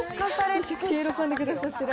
めちゃくちゃ喜んでくださってる。